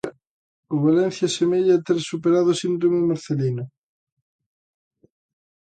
O Valencia semella ter superado o síndrome Marcelino.